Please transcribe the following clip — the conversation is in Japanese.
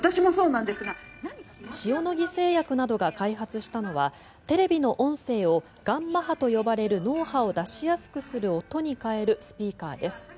塩野義製薬などが開発したのはテレビの音声をガンマ波と呼ばれる脳波を出しやすくする音に変えるスピーカーです。